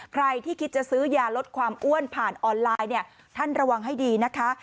ใครที่คิดจะซื้อยาลดความอ้วนผ่านออนไลน์เนี่ยท่านระวังให้ดีนะคะ